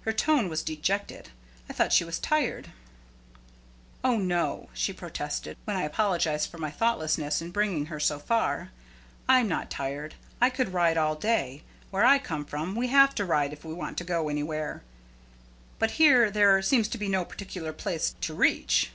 Her tone was dejected. I thought she was tired. "Oh, no!" she protested, when I apologized for my thoughtlessness in bringing her so far. "I'm not tired. I can ride all day. Where I come from, we have to ride if we want to go anywhere; but here there seems to be no particular place to to reach."